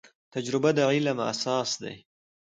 تجربه د علم اساس دی